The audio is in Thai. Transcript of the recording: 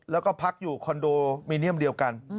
แล้วก็พักอยู่คอนโดมิเนียมเดียวกัน